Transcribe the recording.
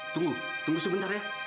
tunggu tunggu sebentar ya